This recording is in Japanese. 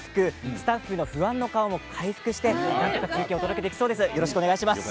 スタッフの不安の顔も回復してなんとか中継をお届けできそうです、よろしくお願いします。